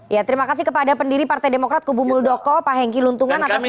ya terima kasih kepada pendiri partai demokrat kubu muldoko pak hengki luntungan atasnya